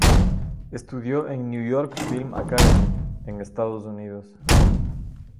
Estudió en New York Film Academy, en Estados Unidos.